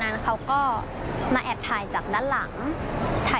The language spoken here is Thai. ฟังเสียงของนักศึกษาหญิงเล่าเรื่องนี้ให้ฟังหน่อยครับ